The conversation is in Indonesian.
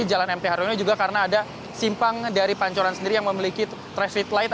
jadi jalan mph haryono juga karena ada simpang dari pancoran sendiri yang memiliki traffic light